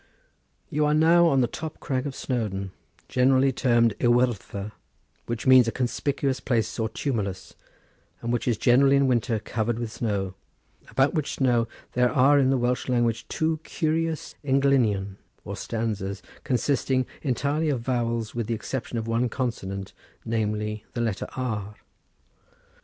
"You are now on the top crag of Snowdon, generally termed Y Wyddfa, which means a conspicuous place or tumulus, and which is generally in winter covered with snow; about which snow there are in the Welsh language two curious englynion or stanzas consisting entirely of vowels with the exception of one consonant namely the letter R.